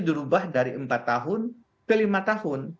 dirubah dari empat tahun ke lima tahun